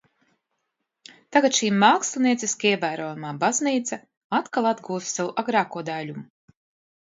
Tagad šī mākslinieciski ievērojamā baznīca atkal atguvusi savu agrāko daiļumu.